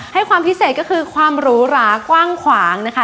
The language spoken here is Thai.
ให้ความพิเศษก็คือความหรูหรากว้างขวางนะคะ